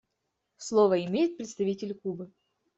Слово имеет представитель Кубы.